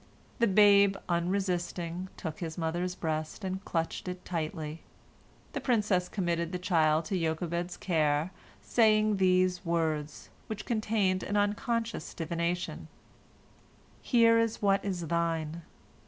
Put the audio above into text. The babe, unresisting, took his mother's breast, and clutched it tightly. The princess committed the child to Jochebed's care, saying these words, which contained an unconscious divination: "Here is what is thine."